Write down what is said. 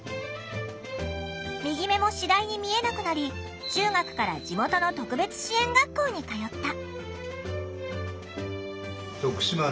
右目も次第に見えなくなり中学から地元の特別支援学校に通った。